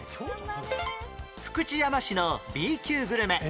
福知山市の Ｂ 級グルメ